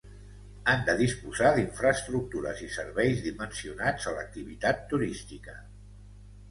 Han de disposar d'infraestructures i serveis dimensionats a l'activitat turística.